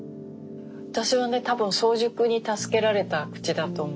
私はね多分早熟に助けられたクチだと思います。